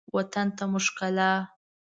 وطن ته مو ښکلا